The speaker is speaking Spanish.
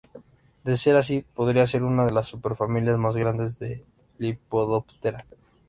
De ser así podría ser una de las superfamilias más grandes de Lepidoptera.